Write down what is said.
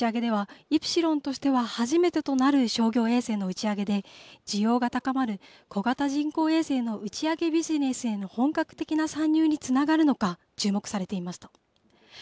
今回の打ち上げはイプシロンとしては初めてとなる商業衛星の打ち上げで需要が高まる小型人工衛星の打ち上げビジネスへの本格的な参入につながるのか注目されていました。